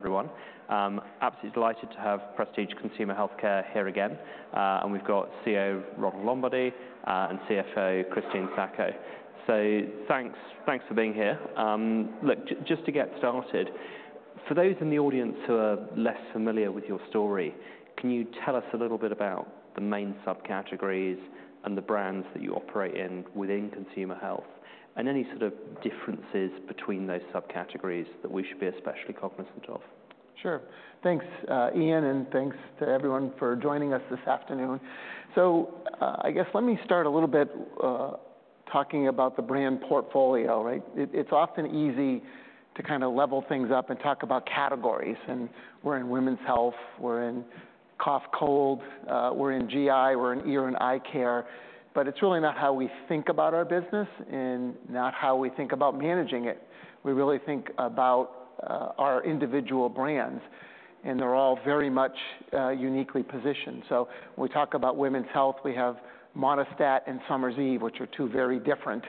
Good day, everyone. Absolutely delighted to have Prestige Consumer Healthcare here again, and we've got CEO `Ronald Lombardi and CFO Christine Sacco. So, thanks, thanks for being here. Look, just to get started, for those in the audience who are less familiar with your story, can you tell us a little bit about the main subcategories and the brands that you operate in within consumer health, and any sort of differences between those subcategories that we should be especially cognizant of? Sure. Thanks, Ian, and thanks to everyone for joining us this afternoon. So, I guess let me start a little bit, talking about the brand portfolio, right? It's often easy to kind of level things up and talk about categories, and we're in women's health, we're in cough, cold, we're in GI, we're in ear and eye care. But it's really not how we think about our business and not how we think about managing it. We really think about our individual brands, and they're all very much uniquely positioned. So, when we talk about women's health, we have Monistat and Summer's Eve, which are two very different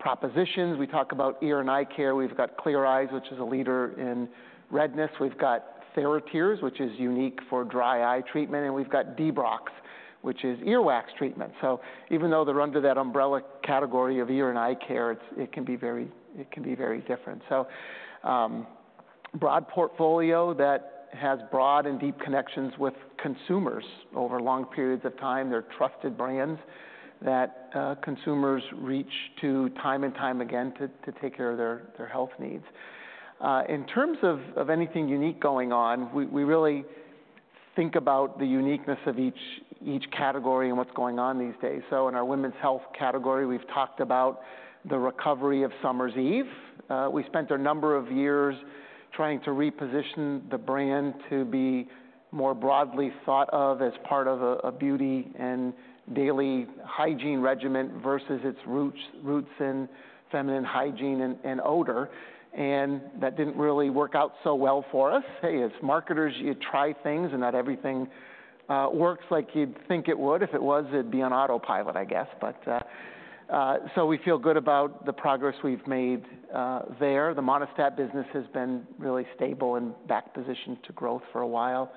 propositions. We talk about ear and eye care. We've got Clear Eyes, which is a leader in redness. We've got TheraTears, which is unique for dry eye treatment, and we've got Debrox, which is earwax treatment, so even though they're under that umbrella category of ear and eye care, it can be very different, so broad portfolio that has broad and deep connections with consumers over long periods of time. They're trusted brands that consumers reach to time and time again to take care of their health needs. In terms of anything unique going on, we really think about the uniqueness of each category and what's going on these days, so in our women's health category, we've talked about the recovery of Summer's Eve. We spent a number of years trying to reposition the brand to be more broadly thought of as part of a beauty and daily hygiene regimen versus its roots in feminine hygiene and odor, and that didn't really work out so well for us. Hey, as marketers, you try things, and not everything works like you'd think it would. If it was, it'd be on autopilot, I guess. But so, we feel good about the progress we've made there. The Monistat business has been really stable and back positioned to growth for a while.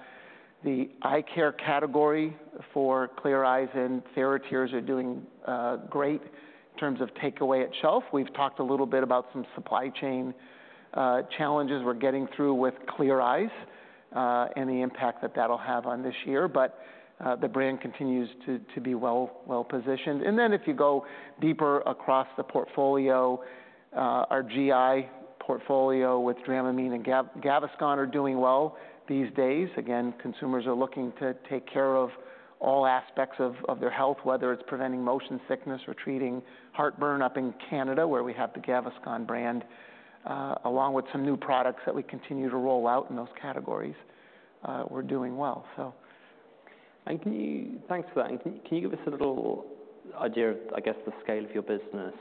The eye care category for Clear Eyes and TheraTears are doing great in terms of takeaway at shelf. We've talked a little bit about some supply chain challenges we're getting through with Clear Eyes and the impact that that'll have on this year, but the brand continues to be well-positioned. And then if you go deeper across the portfolio, our GI portfolio with Dramamine and Gaviscon are doing well these days. Again, consumers are looking to take care of all aspects of their health, whether it's preventing motion sickness or treating heartburn up in Canada, where we have the Gaviscon brand, along with some new products that we continue to roll out in those categories, we're doing well, so— Thanks for that. Can you give us a little idea of, I guess, the scale of your business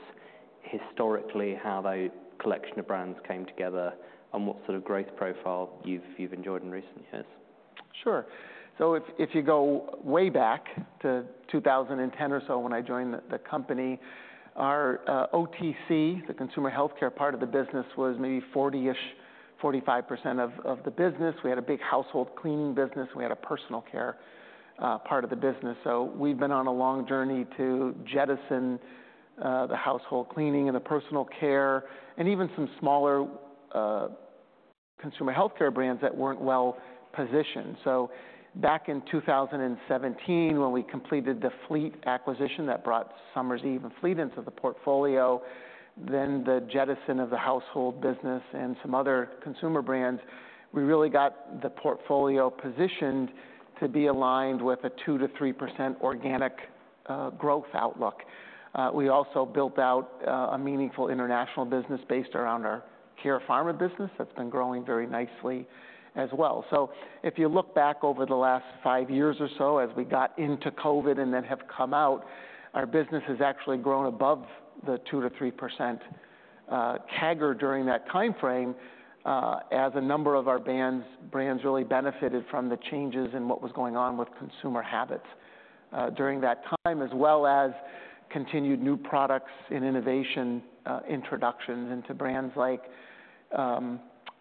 historically, how that collection of brands came together, and what sort of growth profile you've enjoyed in recent years? Sure. If you go way back to 2010 or so, when I joined the company, our OTC, the consumer healthcare part of the business, was maybe 40-ish, 45% of the business. We had a big household cleaning business, and we had a personal care part of the business. We've been on a long journey to jettison the household cleaning and the personal care, and even some smaller consumer healthcare brands that weren't well-positioned. Back in 2017, when we completed the Fleet acquisition, that brought Summer's Eve and Fleet into the portfolio, then the jettison of the household business and some other consumer brands, we really got the portfolio positioned to be aligned with a 2%-3% organic growth outlook. We also built out a meaningful international business based around our Care Pharma business that's been growing very nicely as well. So if you look back over the last five years or so, as we got into COVID and then have come out, our business has actually grown 2%-3% CAGR during that time frame, as a number of our brands really benefited from the changes in what was going on with consumer habits during that time, as well as continued new products and innovation introductions into brands like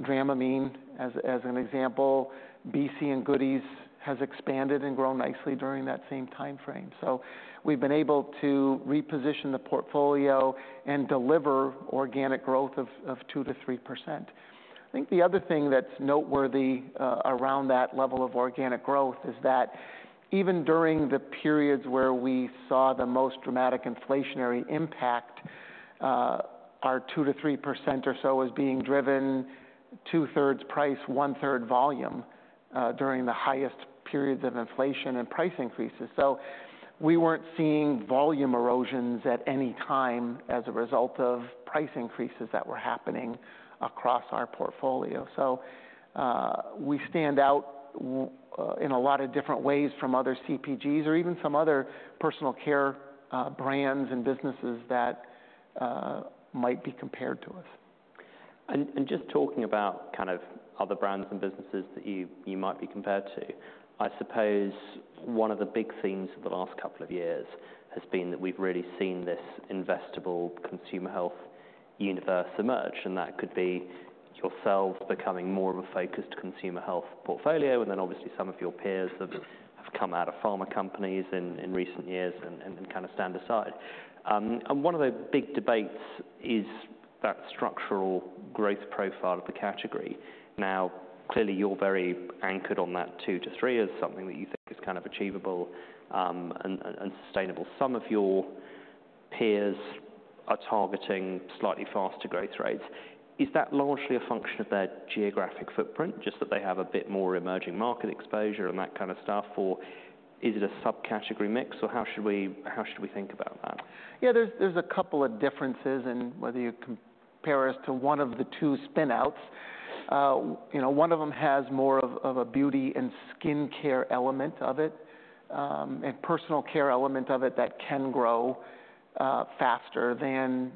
Dramamine, as an example. BC and Goody's has expanded and grown nicely during that same time frame. So, we've been able to reposition the portfolio and deliver organic growth of 2%-3%. I think the other thing that's noteworthy around that level of organic growth is that even during the periods where we saw the most dramatic inflationary 2%-3% or so was being driven 2/3 price, 1/3 volume, during the highest periods of inflation and price increases. So, we weren't seeing volume erosions at any time as a result of price increases that were happening across our portfolio. So, we stand out in a lot of different ways from other CPGs or even some other personal care brands and businesses that might be compared to us. Just talking about kind of other brands and businesses that you might be compared to, I suppose one of the big themes for the last couple of years has been that we've really seen this investable consumer health universe emerge, and that could be yourselves becoming more of a focused consumer health portfolio, and then obviously some of your peers that have come out of pharma companies in recent years and kind of stand-alone. One of the big debates is that structural growth profile of the category. Now, clearly you're very anchored on that two to three as something that you think is kind of achievable and sustainable. Some of your peers are targeting slightly faster growth rates. Is that largely a function of their geographic footprint, just that they have a bit more emerging market exposure and that kind of stuff? Or is it a sub-category mix, or how should we think about that? Yeah, there's a couple of differences in whether you compare us to one of the two spin-outs. You know, one of them has more of a beauty and skin care element of it, and personal care element of it that can grow faster than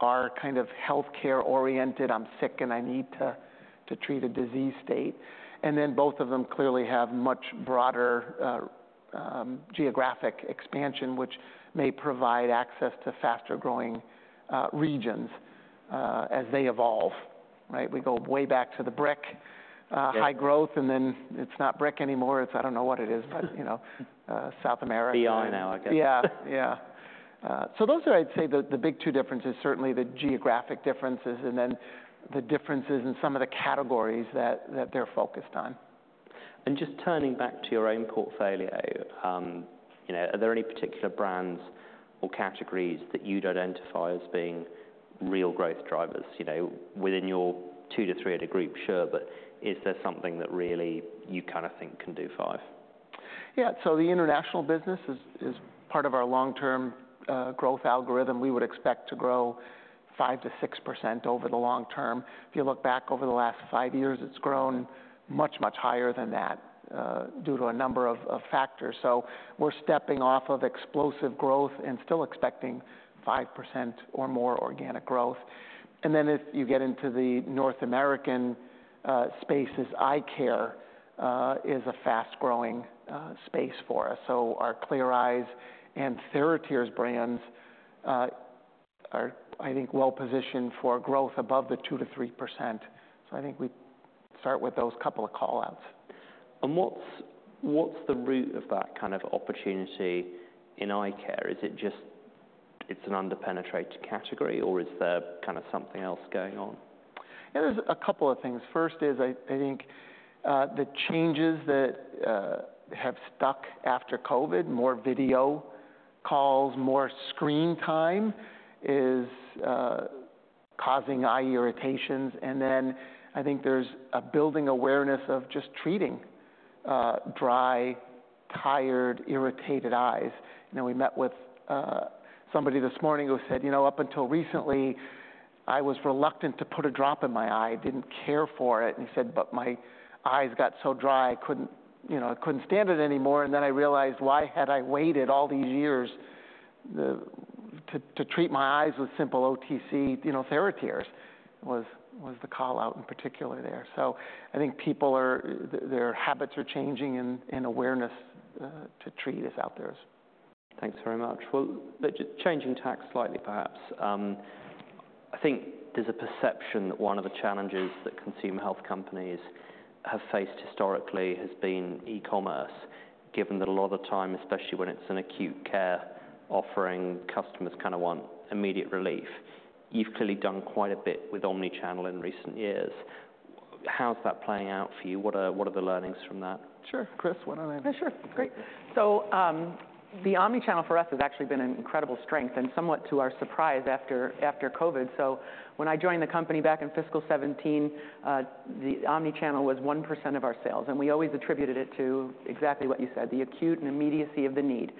our kind of healthcare-oriented, "I'm sick, and I need to treat a disease" state, and then both of them clearly have much broader geographic expansion, which may provide access to faster-growing regions as they evolve, right? We go way back to the brick high growth, and then it's not brick anymore. I don't know what it is, but you know, South America— Beyond now, I guess. Yeah. Yeah. So those are, I'd say, the big two differences, certainly the geographic differences and then the differences in some of the categories that they're focused on. And just turning back to your own portfolio, you know, are there any particular brands or categories that you'd identify as being real growth drivers, you know, within your two to three at a group, sure, but is there something that really you kind of think can do five? Yeah, so the international business is part of our long-term growth algorithm. We would expect to grow 5%-6% over the long term. If you look back over the last five years, it's grown much, much higher than that due to a number of factors. So, we're stepping off of explosive growth and still expecting 5% or more organic growth. And then as you get into the North American spaces, eye care is a fast-growing space for us. So, our Clear Eyes and TheraTears brands are, I think, well positioned for growth 2%-3%. So, I think we start with those couple of callouts. What's the root of that kind of opportunity in eye care? Is it just it's an under-penetrated category, or is there kind of something else going on? Yeah, there's a couple of things. First is, I think, the changes that have stuck after COVID, more video calls, more screen time, is causing eye irritations. And then I think there's a building awareness of just treating dry, tired, irritated eyes. You know, we met with somebody this morning who said, "You know, up until recently, I was reluctant to put a drop in my eye. I didn't care for it." And he said, "But my eyes got so dry I couldn't, you know, I couldn't stand it anymore, and then I realized, why had I waited all these years to treat my eyes with simple OTC?" You know, TheraTears was the callout in particular there. So I think people are—their habits are changing, and awareness to treat is out there. Thanks very much. Changing tacks slightly, perhaps, I think there's a perception that one of the challenges that consumer health companies have faced historically has been e-commerce, given that a lot of the time, especially when it's an acute care offering, customers kind of want immediate relief. You've clearly done quite a bit with omnichannel in recent years. How's that playing out for you? What are the learnings from that? Sure. Chris, why don't you? Sure, great. So, the omnichannel for us has actually been an incredible strength and somewhat to our surprise after COVID. So when I joined the company back in fiscal 2017, the omnichannel was 1% of our sales, and we always attributed it to exactly what you said, the acute and immediacy of the need.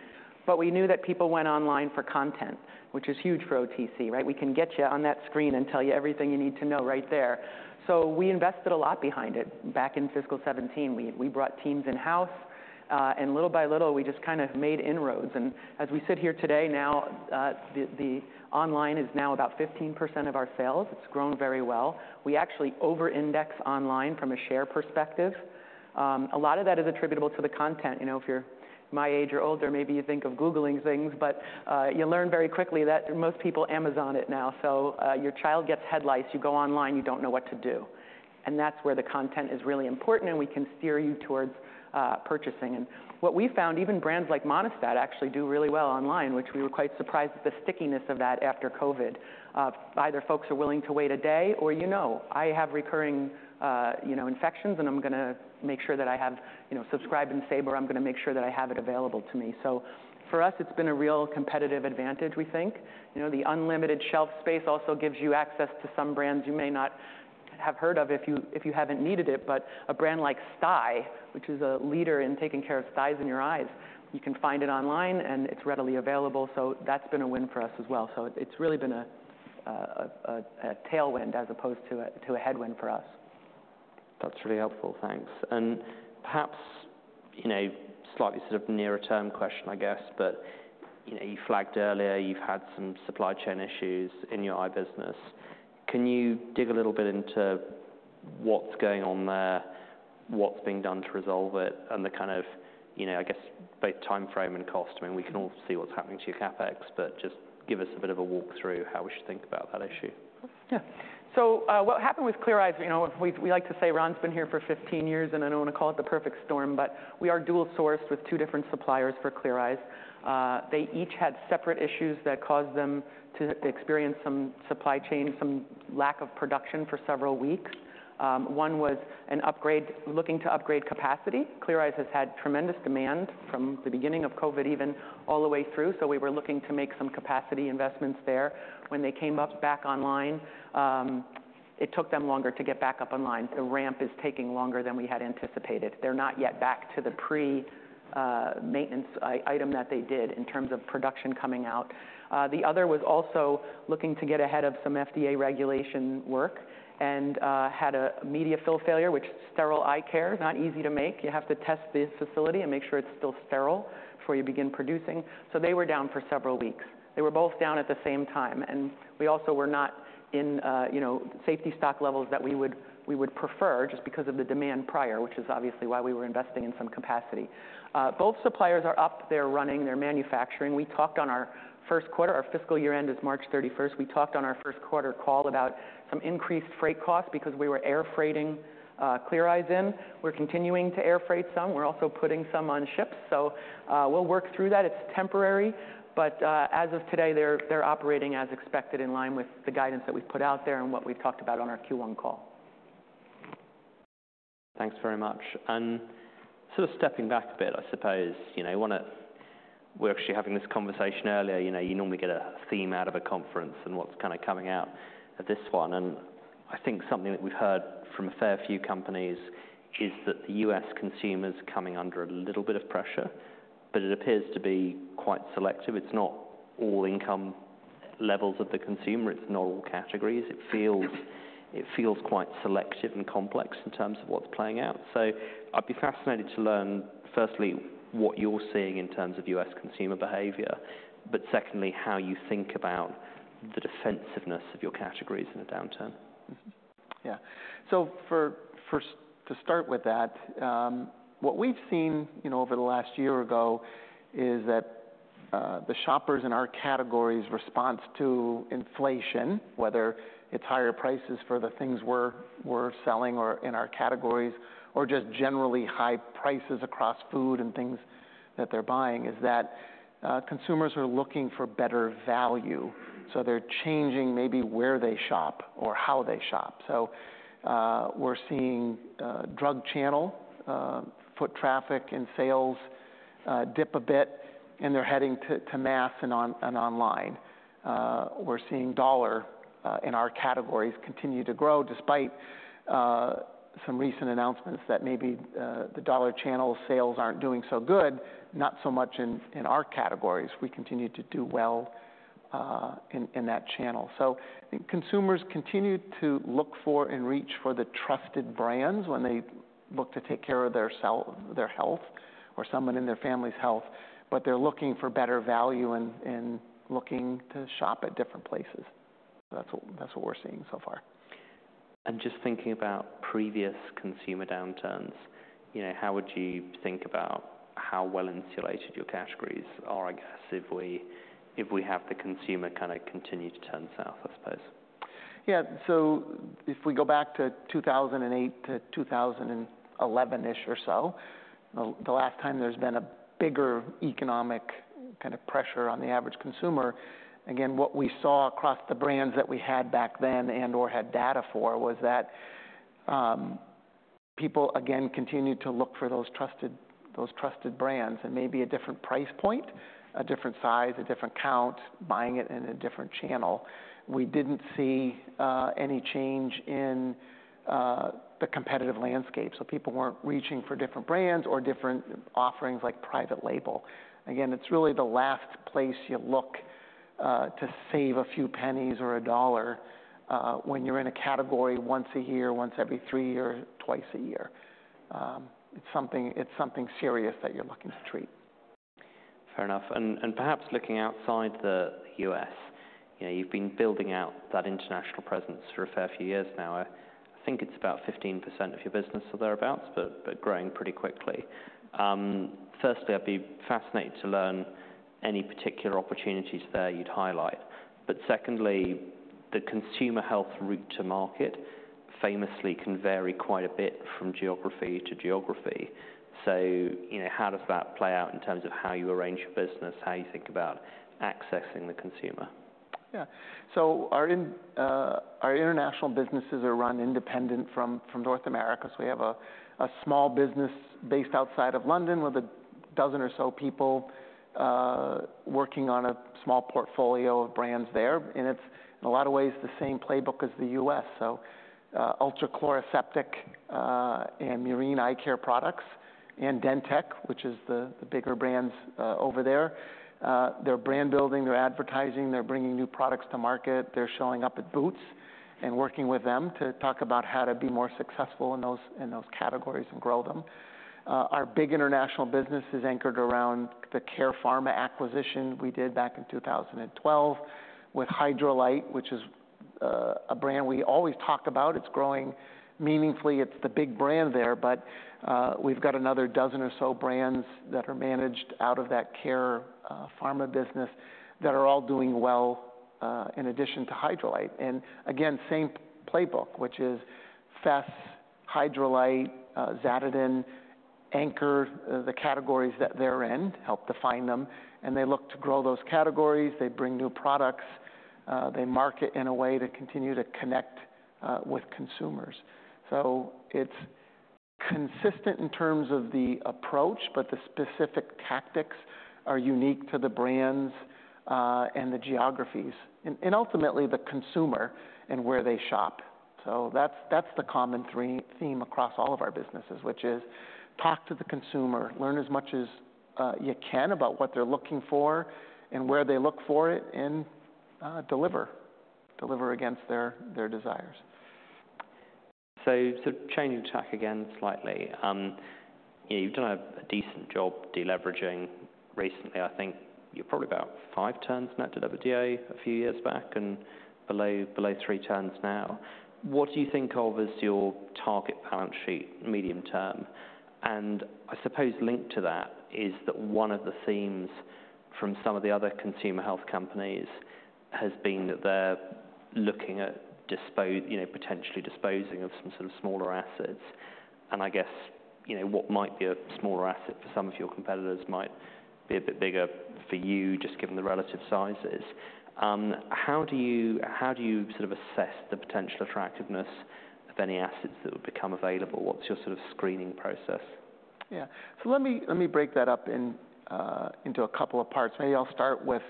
But we knew that people went online for content, which is huge for OTC, right? We can get you on that screen and tell you everything you need to know right there. So we invested a lot behind it back in fiscal 2017. We brought teams in-house, and little by little, we just kind of made inroads. And as we sit here today, now, the online is now about 15% of our sales. It's grown very well. We actually over-index online from a share perspective. A lot of that is attributable to the content. You know, if you're my age or older, maybe you think of googling things, but you learn very quickly that most people Amazon it now. So your child gets head lice, you go online, you don't know what to do, and that's where the content is really important, and we can steer you towards purchasing. And what we found, even brands like Monistat actually do really well online, which we were quite surprised at the stickiness of that after COVID. Either folks are willing to wait a day, or you know, "I have recurring, you know, infections, and I'm gonna make sure that I have, you know, Subscribe and Save, or I'm gonna make sure that I have it available to me." So, for us, it's been a real competitive advantage, we think. You know, the unlimited shelf space also gives you access to some brands you may not have heard of if you haven't needed it. But a brand like Stye, which is a leader in taking care of styes in your eyes, you can find it online, and it's readily available, so that's been a win for us as well. So it's really been a tailwind as opposed to a headwind for us. That's really helpful. Thanks. And perhaps, you know, slightly sort of nearer-term question, I guess, but you know, you flagged earlier you've had some supply chain issues in your eye business. Can you dig a little bit into what's going on there, what's being done to resolve it, and the kind of, you know, I guess, both timeframe and cost? I mean, we can all see what's happening to your CapEx, but just give us a bit of a walkthrough how we should think about that issue. Yeah. So, what happened with Clear Eyes, you know, we like to say Ron's been here for 15 years, and I don't want to call it the perfect storm, but we are dual sourced with two different suppliers for Clear Eyes. They each had separate issues that caused them to experience some supply chain, some lack of production for several weeks. One was an upgrade looking to upgrade capacity. Clear Eyes has had tremendous demand from the beginning of COVID, even all the way through, so we were looking to make some capacity investments there. When they came up back online, it took them longer to get back up online. The ramp is taking longer than we had anticipated. They're not yet back to the pre-maintenance item that they did in terms of production coming out. The other was also looking to get ahead of some FDA regulation work and had a media fill failure, which sterile eye care is not easy to make. You have to test the facility and make sure it's still sterile before you begin producing. So they were down for several weeks. They were both down at the same time, and we also were not in, you know, safety stock levels that we would prefer just because of the demand prior, which is obviously why we were investing in some capacity. Both suppliers are up, they're running, they're manufacturing. We talked on our Q1 call about some increased freight costs because we were air freighting Clear Eyes in. We're continuing to air freight some. Our fiscal year end is March 31st. We're also putting some on ships, so, we'll work through that. It's temporary, but, as of today, they're operating as expected, in line with the guidance that we've put out there and what we've talked about on our Q1 call. Thanks very much. And sort of stepping back a bit, I suppose, you know, I want to-- we're actually having this conversation earlier, you know, you normally get a theme out of a conference and what's kind of coming out of this one, and I think something that we've heard from a fair few companies is that the U.S. consumer's coming under a little bit of pressure, but it appears to be quite selective. It's not all income levels of the consumer. It's not all categories. It feels, it feels quite selective and complex in terms of what's playing out. So I'd be fascinated to learn, firstly, what you're seeing in terms of U.S. consumer behavior, but secondly, how you think about the defensiveness of your categories in a downturn? Yeah. To start with that, what we've seen, you know, over the last year or so is that the shoppers in our categories' response to inflation, whether it's higher prices for the things we're selling or in our categories, or just generally high prices across food and things that they're buying, is that consumers are looking for better value. They're changing maybe where they shop or how they shop. We're seeing drug channel foot traffic and sales dip a bit, and they're heading to mass and online. We're seeing dollar in our categories continue to grow, despite some recent announcements that maybe the dollar channel sales aren't doing so good, not so much in our categories. We continue to do well in that channel. Consumers continue to look for and reach for the trusted brands when they look to take care of their health or someone in their family's health, but they're looking for better value and looking to shop at different places. That's what we're seeing so far. Just thinking about previous consumer downturns, you know, how would you think about how well-insulated your categories are, I guess, if we have the consumer kind of continue to turn south, I suppose? Yeah. So if we go back to 2008 to 2011 or so, the last time there's been a bigger economic kind of pressure on the average consumer, again, what we saw across the brands that we had back then and/or had data for was that, people, again, continued to look for those trusted brands and maybe a different price point, a different size, a different count, buying it in a different channel. We didn't see any change in the competitive landscape, so people weren't reaching for different brands or different offerings like private label. Again, it's really the last place you look to save a few pennies or a dollar when you're in a category once a year, once every three years, twice a year. It's something serious that you're looking to treat. Fair enough, and perhaps looking outside the U.S., you know, you've been building out that international presence for a fair few years now. I think it's about 15% of your business or thereabouts, but growing pretty quickly. Firstly, I'd be fascinated to learn any particular opportunities there you'd highlight, but secondly, the consumer health route to market famously can vary quite a bit from geography to geography, so you know, how does that play out in terms of how you arrange your business, how you think about accessing the consumer? Yeah. So our international businesses are run independent from North America, so we have a small business based outside of London, with a dozen or so people working on a small portfolio of brands there. It's in a lot of ways the same playbook as the U.S. So Ultra Chloraseptic and Murine Eye Care products, and DenTek, which is the bigger brands over there. They're brand building, they're advertising, they're bringing new products to market. They're showing up at Boots and working with them to talk about how to be more successful in those categories and grow them. Our big international business is anchored around the Care Pharma acquisition we did back in 2012 with Hydralyte, which is a brand we always talk about. It's growing meaningfully. It's the big brand there, but we've got another dozen or so brands that are managed out of that Care Pharma business that are all doing well in addition to Hydralyte. And again, same playbook, which is Fess, Hydralyte, Zaditen, anchor the categories that they're in, help define them, and they look to grow those categories. They bring new products, they market in a way that continue to connect with consumers. So it's consistent in terms of the approach, but the specific tactics are unique to the brands and the geographies and ultimately the consumer and where they shop. So that's the common theme across all of our businesses, which is: talk to the consumer, learn as much as you can about what they're looking for and where they look for it and deliver. Deliver against their desires. So, changing tack again slightly. You've done a decent job deleveraging recently. I think you're probably about five turns net debt-to-EBITDA a few years back, and below three turns now. What do you think of as your target balance sheet medium term? And I suppose linked to that is that one of the themes from some of the other consumer health companies has been that they're looking at you know, potentially disposing of some sort of smaller assets. And I guess, you know, what might be a smaller asset for some of your competitors might be a bit bigger for you, just given the relative sizes. How do you sort of assess the potential attractiveness of any assets that would become available? What's your sort of screening process? Yeah. So let me break that up into a couple of parts. Maybe I'll start with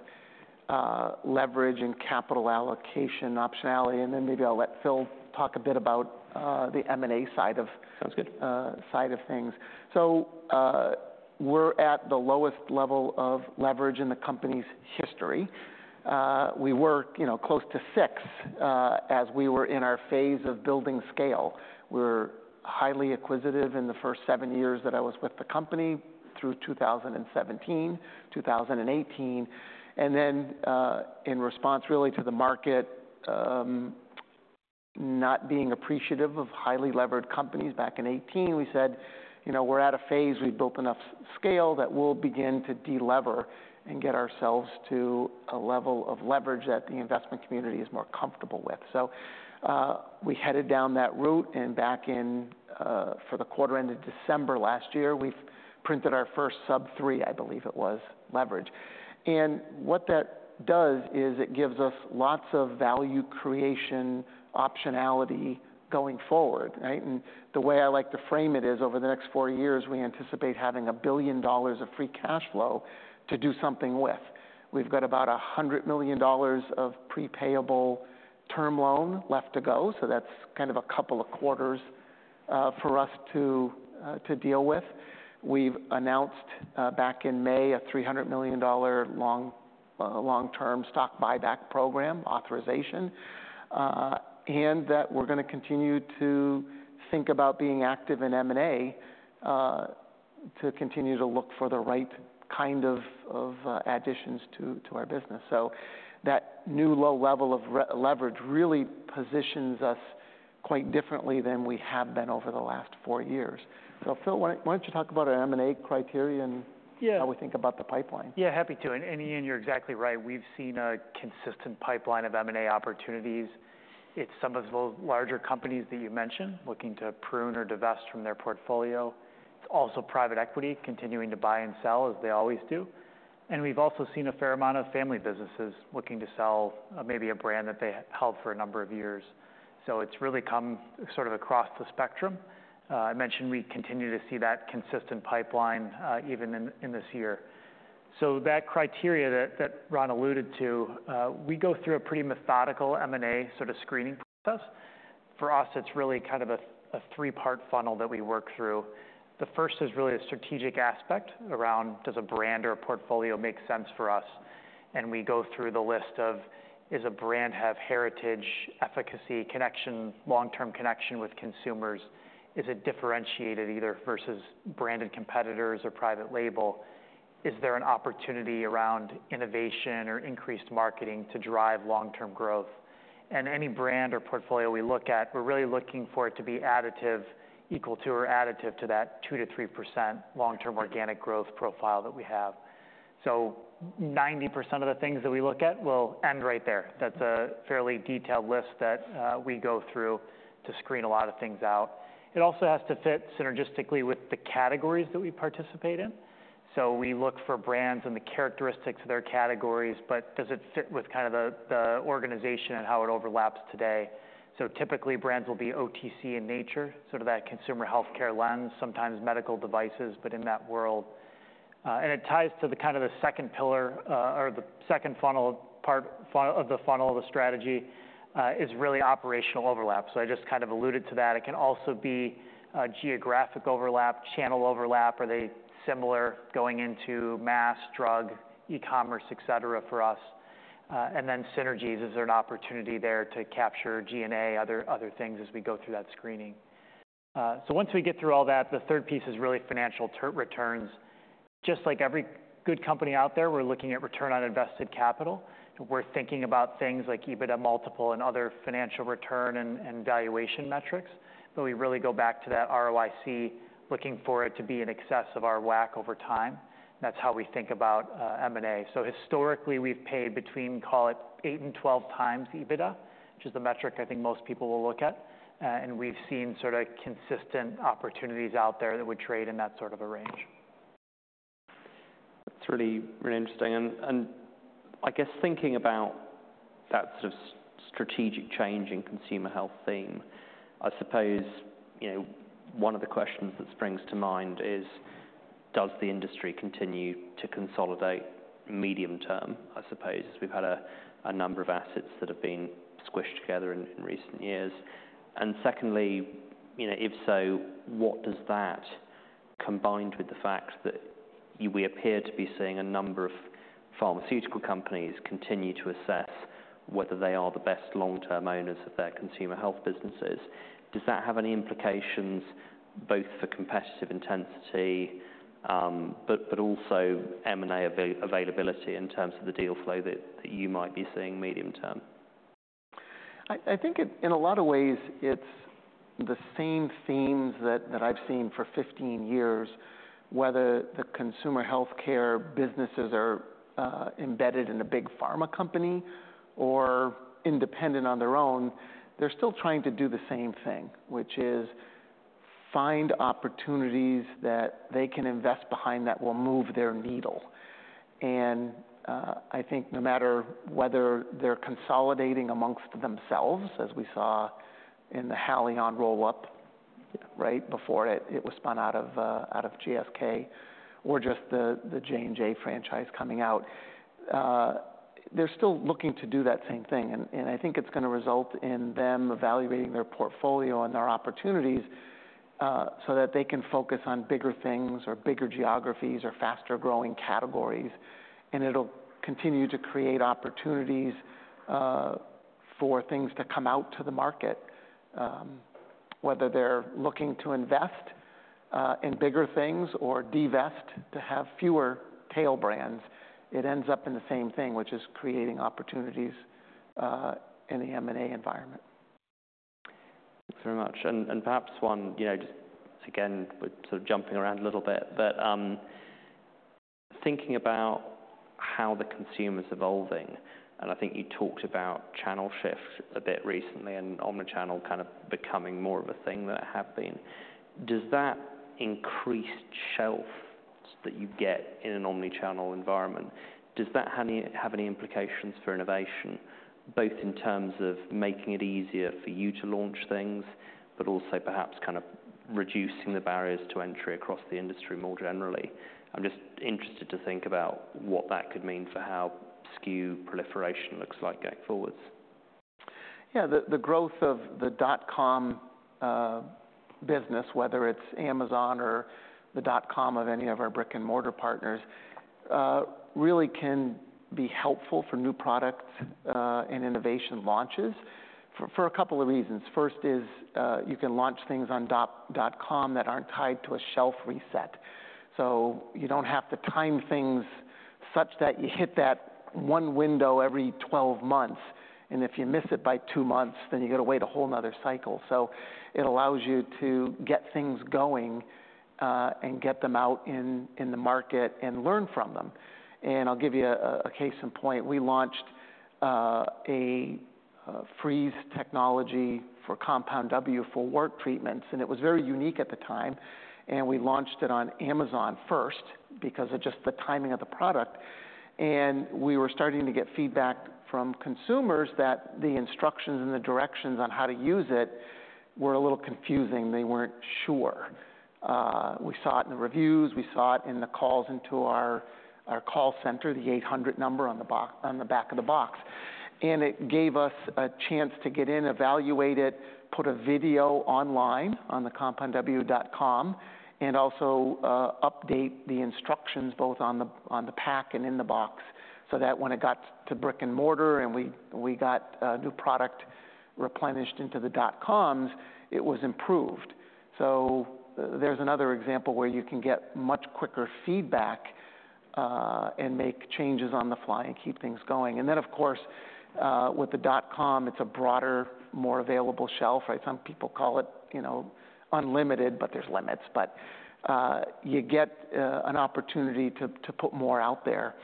leverage and capital allocation optionality, and then maybe I'll let Phil talk a bit about the M&A side of— Sounds good. —side of things. So, we're at the lowest level of leverage in the company's history. We were, you know, close to six, as we were in our phase of building scale. We were highly acquisitive in the first seven years that I was with the company, through 2017, 2018. And then, in response really to the market, not being appreciative of highly levered companies back in 2018, we said, "You know, we're at a phase, we've built enough scale, that we'll begin to delever and get ourselves to a level of leverage that the investment community is more comfortable with." So, we headed down that route, and back in, for the quarter end of December last year, we printed our first sub three, I believe it was, leverage. And what that does is it gives us lots of value creation, optionality going forward, right? The way I like to frame it is, over the next four years, we anticipate having $1 billion of free cash flow to do something with. We've got about $100 million of prepayable term loan left to go, so that's kind of a couple of quarters for us to deal with. We've announced back in May a $300 million long-term stock buyback program authorization, and that we're gonna continue to think about being active in M&A to continue to look for the right kind of additions to our business. So that new low level of re-leverage really positions us quite differently than we have been over the last four years. Phil, why don't you talk about our M&A criteria and how we think about the pipeline? Yeah, happy to. And Ian, you're exactly right. We've seen a consistent pipeline of M&A opportunities. It's some of the larger companies that you mentioned, looking to prune or divest from their portfolio. It's also private equity, continuing to buy and sell as they always do. And we've also seen a fair amount of family businesses looking to sell, maybe a brand that they held for a number of years. So it's really come sort of across the spectrum. I mentioned we continue to see that consistent pipeline, even in this year. So that criteria that Ron alluded to, we go through a pretty methodical M&A sort of screening process. For us, it's really kind of a three-part funnel that we work through. The first is really a strategic aspect around, does a brand or a portfolio make sense for us? We go through the list of, does a brand have heritage, efficacy, connection, long-term connection with consumers? Is it differentiated either versus branded competitors or private label? Is there an opportunity around innovation or increased marketing to drive long-term growth? Any brand or portfolio we look at, we're really looking for it to be additive, equal to, or additive to that 2%-3% long-term organic growth profile that we have. 90% of the things that we look at will end right there. That's a fairly detailed list that we go through to screen a lot of things out. It also has to fit synergistically with the categories that we participate in. We look for brands and the characteristics of their categories, but does it fit with kind of the organization and how it overlaps today? So typically, brands will be OTC in nature, sort of that consumer healthcare lens, sometimes medical devices, but in that world. And it ties to the kind of the second pillar, or the second funnel part... of the funnel, of the strategy, is really operational overlap. So I just kind of alluded to that. It can also be a geographic overlap, channel overlap. Are they similar going into mass, drug, e-commerce, et cetera, for us? And then synergies, is there an opportunity there to capture G&A, other things as we go through that screening? So once we get through all that, the third piece is really financial returns. Just like every good company out there, we're looking at return on invested capital. We're thinking about things like EBITDA multiple and other financial return and valuation metrics, but we really go back to that ROIC, looking for it to be in excess of our WACC over time. That's how we think about M&A. So historically, we've paid between, call it eight and 12 times EBITDA, which is the metric I think most people will look at. And we've seen sort of consistent opportunities out there that would trade in that sort of a range. That's really, really interesting. And I guess thinking about that sort of strategic change in consumer health theme, I suppose, you know, one of the questions that springs to mind is: Does the industry continue to consolidate medium term? I suppose we've had a number of assets that have been squished together in recent years. And secondly, you know, if so, what does that, combined with the fact that we appear to be seeing a number of pharmaceutical companies continue to assess whether they are the best long-term owners of their consumer health businesses, does that have any implications both for competitive intensity, but also M&A availability in terms of the deal flow that you might be seeing medium term? I think, in a lot of ways, it's the same themes that I've seen for 15 years. Whether the consumer healthcare businesses are embedded in a big pharma company or independent on their own, they're still trying to do the same thing, which is find opportunities that they can invest behind that will move their needle. And I think no matter whether they're consolidating amongst themselves, as we saw in the Haleon roll-up, right before it was spun out of GSK, or just the J&J franchise coming out, they're still looking to do that same thing. And I think it's gonna result in them evaluating their portfolio and their opportunities, so that they can focus on bigger things or bigger geographies or faster-growing categories. It'll continue to create opportunities for things to come out to the market. Whether they're looking to invest in bigger things or divest to have fewer tail brands, it ends up in the same thing, which is creating opportunities in the M&A environment. Thanks very much, and perhaps one, you know, just again, we're sort of jumping around a little bit, but thinking about how the consumer's evolving, and I think you talked about channel shifts a bit recently, and omnichannel kind of becoming more of a thing than it had been. Does that increased shelf that you get in an omnichannel environment, does that have any implications for innovation, both in terms of making it easier for you to launch things, but also perhaps kind of reducing the barriers to entry across the industry more generally? I'm just interested to think about what that could mean for how SKU proliferation looks like going forward. Yeah. The growth of the dot-com business, whether it's Amazon or the dot-com of any of our brick-and-mortar partners, really can be helpful for new products and innovation launches for a couple of reasons. First is, you can launch things on dot-com that aren't tied to a shelf reset. So you don't have to time things such that you hit that one window every 12 months, and if you miss it by two months, then you've got to wait a whole another cycle. So it allows you to get things going and get them out in the market and learn from them, and I'll give you a case in point. We launched a freeze technology for Compound W for wart treatments, and it was very unique at the time, and we launched it on Amazon first because of just the timing of the product. We were starting to get feedback from consumers that the instructions and the directions on how to use it were a little confusing. They weren't sure. We saw it in the reviews, we saw it in the calls into our call center, the 800 number on the box on the back of the box. It gave us a chance to get in, evaluate it, put a video online on the CompoundW.com, and also update the instructions both on the pack and in the box, so that when it got to brick-and-mortar and we got a new product replenished into the dot-coms, it was improved. So there's another example where you can get much quicker feedback, and make changes on the fly and keep things going. And then, of course, with the dot-com, it's a broader, more available shelf, right? Some people call it, you know, unlimited, but there's limits. But, you get an opportunity to put more out there,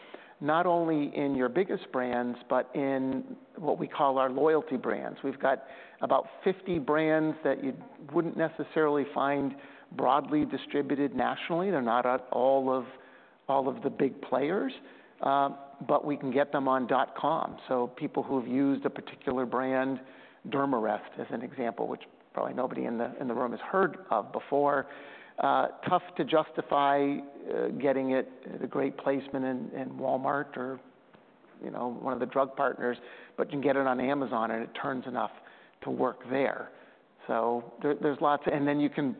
not only in your biggest brands, but in what we call our loyalty brands. We've got about 50 brands that you wouldn't necessarily find broadly distributed nationally. They're not at all of the big players, but we can get them on dot-com. So people who have used a particular brand, Dermarest, as an example, which probably nobody in the room has heard of before, tough to justify getting it a great placement in Walmart or, you know, one of the drug partners, but you can get it on Amazon, and it turns enough to work there. So there's lots. And then you can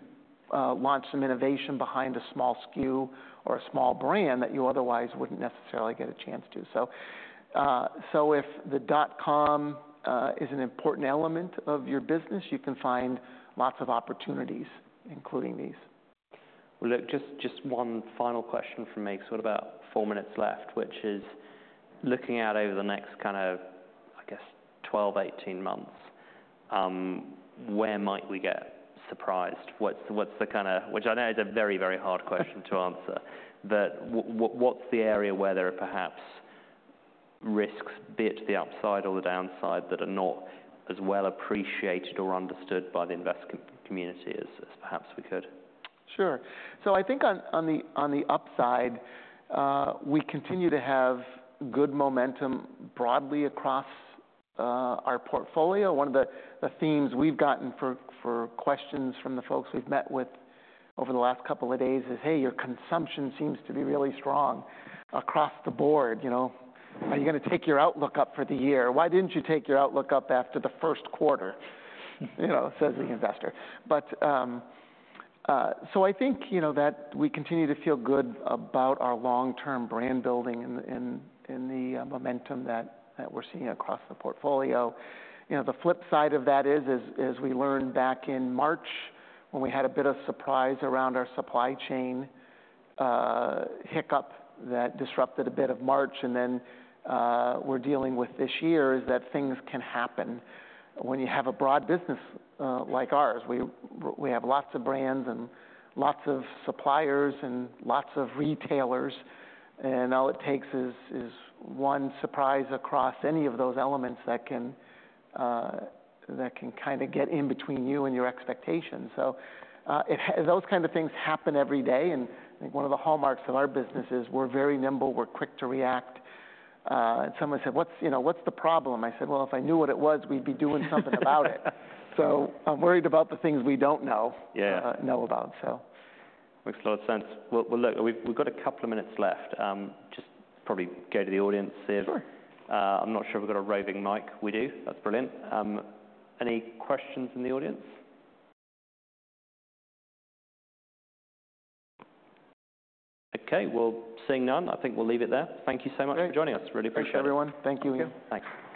launch some innovation behind a small SKU or a small brand that you otherwise wouldn't necessarily get a chance to. So if the dot-com is an important element of your business, you can find lots of opportunities, including these. Look, just one final question from me. We've about four minutes left, which is looking out over the next kind of, I guess, 12-18 months, where might we get surprised? What's the kinda which I know is a very, very hard question to answer, what's the area where there are perhaps risks, be it to the upside or the downside, that are not as well appreciated or understood by the investment community as perhaps we could? Sure. So I think on the upside, we continue to have good momentum broadly across our portfolio. One of the themes we've gotten for questions from the folks we've met with over the last couple of days is, "Hey, your consumption seems to be really strong across the board," you know? "Are you gonna take your outlook up for the year? Why didn't you take your outlook up after the Q1?" You know, says the investor. But, so I think, you know, that we continue to feel good about our long-term brand building and the momentum that we're seeing across the portfolio. You know, the flip side of that is, as we learned back in March, when we had a bit of surprise around our supply chain, hiccup that disrupted a bit of March, and then, we're dealing with this year, is that things can happen when you have a broad business, like ours. We have lots of brands and lots of suppliers and lots of retailers, and all it takes is one surprise across any of those elements that can kinda get in between you and your expectations. So, those kind of things happen every day, and I think one of the hallmarks of our business is we're very nimble, we're quick to react. And someone said, "You know, what's the problem?" I said, "Well, if I knew what it was, we'd be doing something about it." So I'm worried about the things we don't know-know about, so. Makes a lot of sense. Well, well, look, we've got a couple of minutes left. Just probably go to the audience there? Sure. I'm not sure if we've got a roving mic. We do? That's brilliant. Any questions from the audience? Okay, well, seeing none, I think we'll leave it there. Thank you so much— Great. —for joining us. Really appreciate it. Thanks, everyone. Thank you, Ian. Thanks.